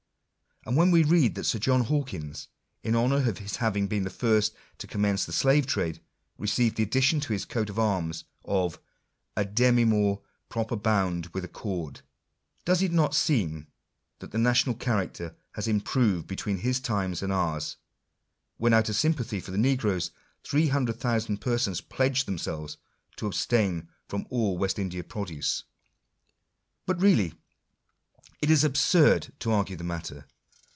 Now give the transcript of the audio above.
And when we read that Sir John Hawkins, in honour of his having been the first to commence the slave trade, received the addition to his coat of arms of " a demi moor proper bound with a cord," does it not seem that the national character has improved between his times and ours, when, out of sympathy for the negroes, 300,000 persons pledged themselves to abstain from all West India produce ? But really it is absurd to argue the matter.